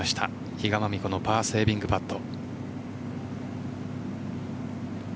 比嘉真美子のパーセービングパット。